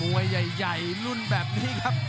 กรรมการเตือนทั้งคู่ครับ๖๖กิโลกรัม